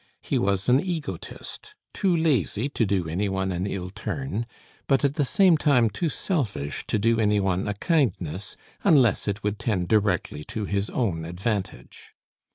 He was an egotist, too lazy to do any one an ill turn, but at the same time too selfish to do any one a kindness, unless it would tend directly to his own advantage.